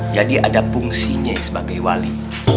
jadi ada fungsinya sebagai wali